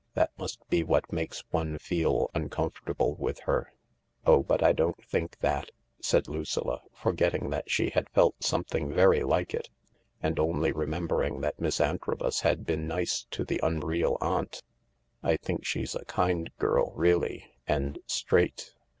That must be what makes one feel uncomfortable with her." "Oh, but I don't think that," said Lucilla, forgetting that she had felt something very like it, and only remember ing that Miss Antrobus had been nice to the unreal aunt. n I think she's a kind girl really, and straight."